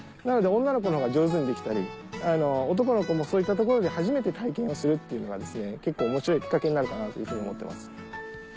なので女の子のほうが上手にできたり男の子もそういったところで初めて体験をするっていうのが結構面白いキッカケになるかなというふうに思ってます。